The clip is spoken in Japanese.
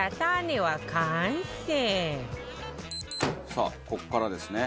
さあここからですね。